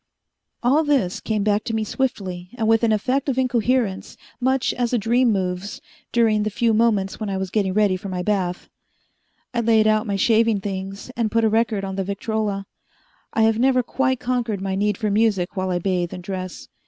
All this came back to me swiftly and with an effect of incoherence, much as a dream moves, during the few moments when I was getting ready for my bath. I laid out my shaving things, and put a record on the Victrola. I have never quite conquered my need for music while I bathe and dress.